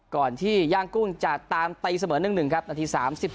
ก่อนที่ย่างกุ้งจะตามตีเสมอ๑๑ครับนาที๓๔